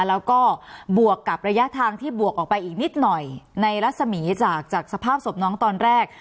แล้วก็บวกกับระยะทางที่บวกออกไปอีกนิดหน่อยในรัศมีร์จากสภาพศพน้องตอนแรก